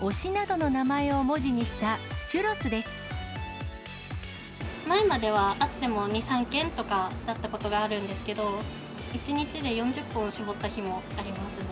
推しなどの名前を文字にした前まではあっても２、３件とかだったことがあるんですけど、１日で４０本絞った日もありますね。